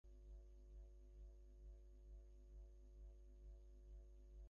অপরদিকে ধর্মাচার্যেরা জীবৎকালেই বহুদেশের লোকের মনে সাড়া জাগাইয়া গিয়াছেন।